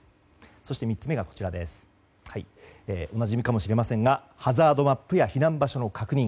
そして、３つ目がおなじみかもしれませんがハザードマップや避難場所の確認。